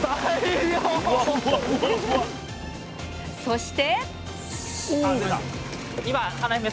そして！